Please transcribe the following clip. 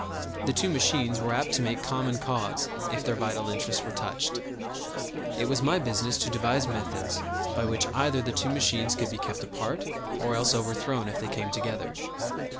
The two machines were apt to make common cause if their vital interests were touched. It was my business to devise methods by which either the two machines could be kept apart or else overthrown if they came together.